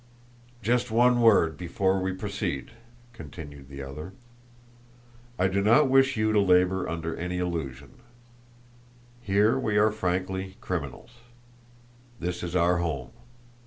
"Just one word more before we proceed," continued the other. "I do not wish you to labour under any illusion. Here we are frankly criminals. This is our home.